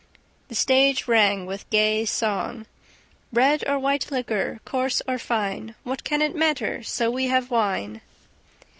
The stage rang with gay song: "Red or white liquor, Coarse or fine! What can it matter, So we have wine?"